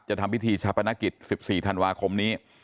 จะทำพิธีชัพพนักศพ๑๔ธันวาคมนี้